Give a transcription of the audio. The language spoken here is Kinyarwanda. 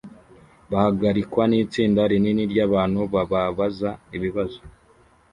bahagarikwa nitsinda rinini ryabantu bababaza ibibazo